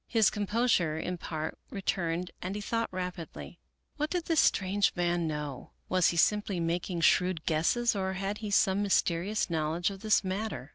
His composure in part returned and he thought rapidly. What did this strange man know ? Was he simply making shrewd guesses, or had he some mysterious knowledge of this matter?